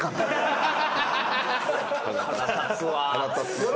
腹立つわ。